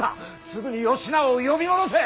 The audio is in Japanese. すぐに義直を呼び戻せ！